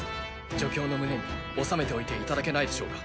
助教の胸に納めておいて頂けないでしょうか。